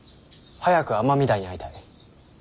早く尼御台に会いたい。